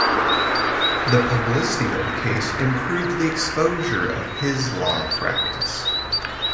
The publicity of the case improved the exposure of his law practice.